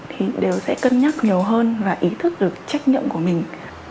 thì đều sẽ cân nhắc nhiều hơn và ý thức được trách nhiệm của mình